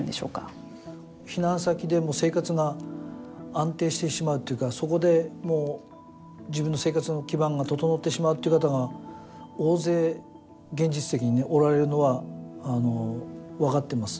避難先で生活が安定してしまうというかそこで自分の生活の基盤が整ってしまうという方が大勢現実的におられるのは分かっています。